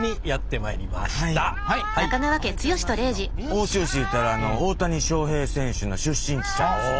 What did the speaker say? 奥州市いうたら大谷翔平選手の出身地ちゃいますの？